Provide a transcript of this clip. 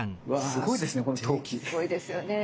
すごいですよね。